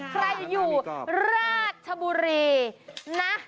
ใครอยู่ราชบุรีนะ